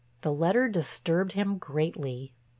The letter disturbed him greatly.